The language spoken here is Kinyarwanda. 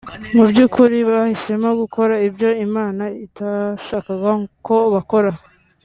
Mu by’ukuri bahisemo gukora ibyo Imana itashakaga ko bakora